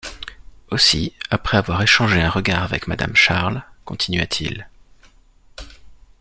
Aussi, après avoir échangé un regard avec madame Charles, continua-t-il :